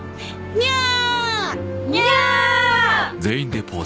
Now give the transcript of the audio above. ニャー！